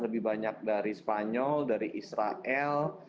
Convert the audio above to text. lebih banyak dari spanyol dari israel